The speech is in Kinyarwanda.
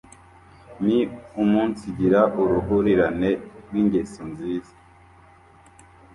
ni uumunsigira uruhurirane rw’ingeso nziza